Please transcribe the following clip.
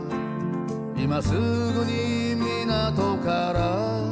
「今すぐに港から」